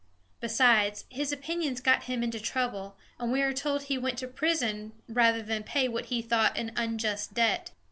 Besides, his opinions got him into trouble, and we are told he went to prison rather than pay what he thought an unjust debt.